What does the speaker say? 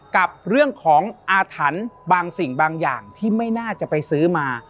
กับเรื่องของอาถรรพ์บางสิ่งบางอย่างที่ไม่น่าจะไปซื้อมา